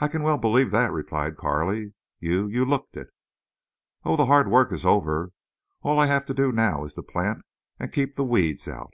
"I can well believe that," replied Carley. "You—you looked it." "Oh, the hard work is over. All I have to do now it to plant and keep the weeds out."